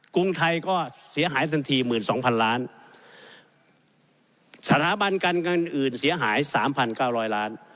กรุงไทยก็เสียหายทันทีหมื่นสองพันล้านสถาบันการเงินอื่นเสียหายสามพันเก้าร้อยล้าน